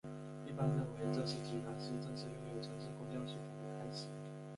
一般认为这是济南市正式拥有城市公交系统的开始。